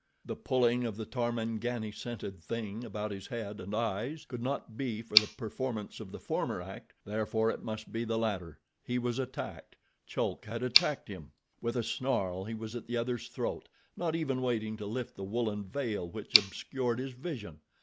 The pulling of the Tarmangani scented thing about his head and eyes could not be for the performance of the former act; therefore it must be the latter. He was attacked! Chulk had attacked him. With a snarl he was at the other's throat, not even waiting to lift the woolen veil which obscured his vision.